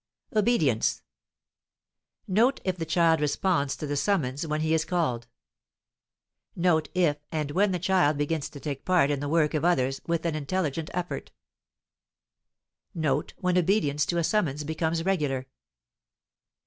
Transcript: OBEDIENCE. Note if the child responds to the summons when he is called. Note if and when the child begins to take part in the work of others with an intelligent effort. Note when obedience to a summons becomes regular.